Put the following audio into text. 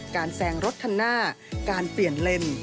แซงรถคันหน้าการเปลี่ยนเลน